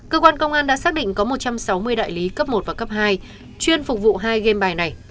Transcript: cơ quan công an đã xác định có một trăm sáu mươi đại lý cấp một và cấp hai chuyên phục vụ hai game bài này